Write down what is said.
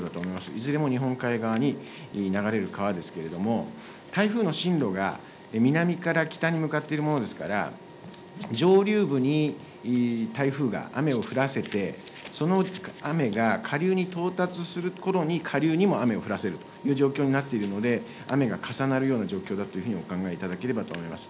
いずれも日本海側に流れる川ですけれども、台風の進路が南から北に向かっているものですから、上流部に台風が雨を降らせて、その雨が下流に到達するころに、下流にも雨を降らせるという状況になっているので、雨が重なるような状況だとお考えいただければと思います。